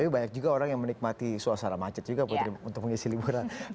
tapi banyak juga orang yang menikmati suasana macet juga putri untuk mengisi liburan